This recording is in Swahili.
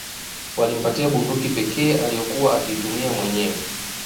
Walimpatia bunduki pekee aliyokuwa akiitumia mwenyewe